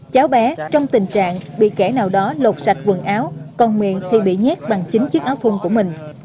cháu bé trong tình trạng bị kẻ nào đó lột sạch quần áo còn miệng thì bị nhét bằng chính chiếc áo thung của mình